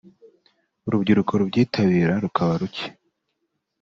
urubyiruko rubyitabira rukaba ruke